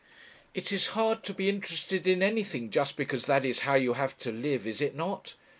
It is hard to be interested in anything just because that is how you have to live, is it not?